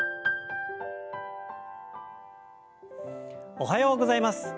おはようございます。